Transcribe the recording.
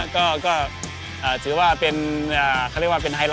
ก็ถือว่าเป็นเขาเรียกว่าเป็นไฮไลต์ของทีมด้วย